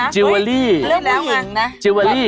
อ๋อหลายทีแล้วนะ